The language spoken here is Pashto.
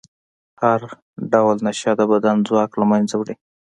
هر ډول نشه د بدن ځواک له منځه وړي.